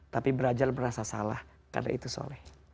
tapi belajar merasa salah karena itu soleh